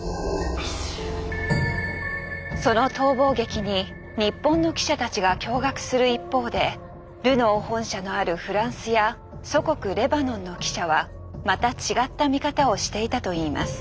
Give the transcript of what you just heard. その逃亡劇に日本の記者たちが驚がくする一方でルノー本社のあるフランスや祖国レバノンの記者はまた違った見方をしていたといいます。